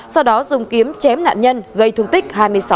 sau đó dùng kiếm chém nạn nhân gây thương tích hai mươi sáu